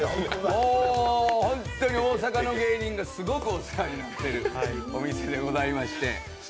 本当に大阪の芸人がすごくお世話になっているお店でございまして。